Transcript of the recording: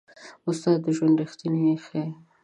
استاد د ژوند رښتیا ښيي.